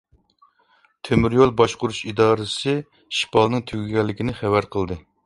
تۆمۈر يول باشقۇرۇش ئىدارىسى شىپالنىڭ تۈگىگەنلىكىنى خەۋەر قىلدى.